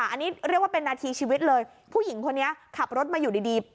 อันนี้เรียกว่าเป็นนาทีชีวิตเลยผู้หญิงคนนี้ขับรถมาอยู่ดี